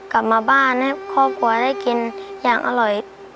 กลับมาบ้านให้ครอบครัวได้กินอย่างอร่อย